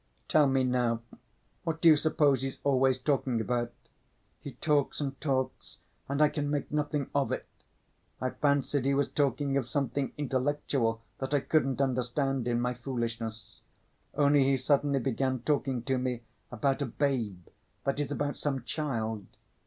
Tell me, now, what do you suppose he's always talking about? He talks and talks and I can make nothing of it. I fancied he was talking of something intellectual that I couldn't understand in my foolishness. Only he suddenly began talking to me about a babe—that is, about some child.